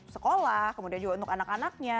sekolah kemudian juga untuk anak anaknya